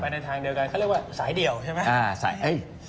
เขาเรียกว่าสายเดียวใช่ไหม